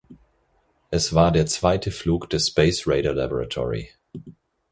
Es war der zweite Flug des Space Radar Laboratory.